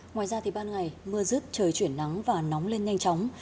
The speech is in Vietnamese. ngoài ra thì ban ngày mưa rứt trời chuyển nắng và nóng lên nhanh chóng